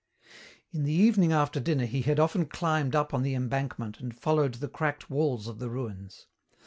In the evening after dinner he had often climbed up on the embankment and followed the cracked walls of the ruins.